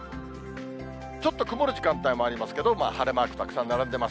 ちょっと曇る時間帯もありますけど、晴れマークたくさん並んでます。